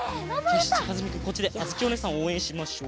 よしじゃあかずふみくんこっちであづきおねえさんをおうえんしましょう。